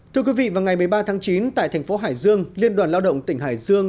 thưa quý vị vào ngày một mươi ba tháng chín tại thành phố hải dương liên đoàn lao động tỉnh hải dương